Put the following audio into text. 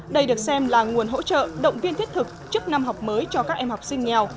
đây được xem là nguồn hỗ trợ động viên thiết thực trước năm học mới cho các em học sinh nghèo